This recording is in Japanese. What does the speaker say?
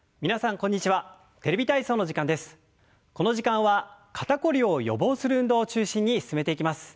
この時間は肩凝りを予防する運動を中心に進めていきます。